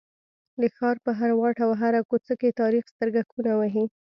د ښار په هر واټ او هره کوڅه کې تاریخ سترګکونه وهي.